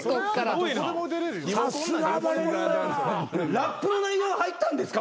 ラップの内容は入ったんですか？